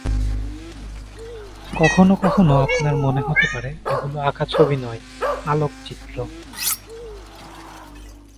কখনো কখনো আপনার মনে হতে পারে, এগুলো আঁকা ছবি নয়, আলোকচিত্র।